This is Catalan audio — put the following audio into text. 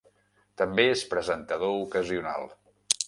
També és presentador ocasional.